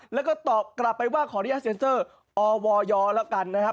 แล้วก็ตอบกลับไปว่าขออนุญาตเซ็นเซอร์อวยแล้วกันนะครับ